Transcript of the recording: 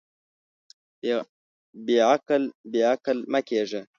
بېعقل، بېعقل مۀ کېږه.